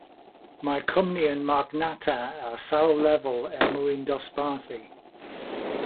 Mae'r cwmni'n marchnata ar sawl lefel er mwyn dosbarthu.